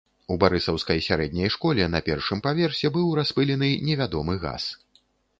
У барысаўскай сярэдняй школе на першым паверсе быў распылены невядомы газ.